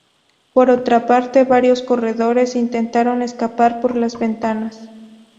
Por otra parte, varios corredores intentaron escapar por las ventanas.